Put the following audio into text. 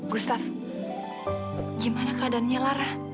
gustaf gimana keadaannya lara